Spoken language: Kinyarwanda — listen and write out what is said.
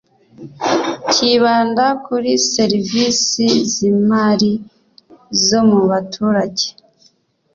kibanda kuri serivisi z imari zo mubaturage